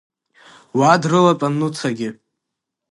Уа дрылатәан Нуцагьы.